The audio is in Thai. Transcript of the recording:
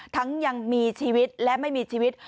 ยังมีชีวิตและไม่มีชีวิต